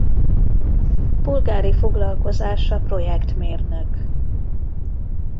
Polgári foglalkozása projekt mérnök.